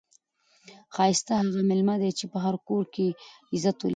ښایسته هغه میلمه دئ، چي په هر کور کښي عزت ولري.